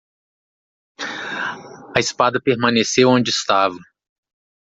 A espada permaneceu onde estava.